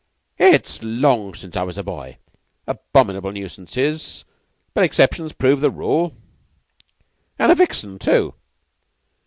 It's long since I was a boy abominable nuisances; but exceptions prove the rule. And a vixen, too!"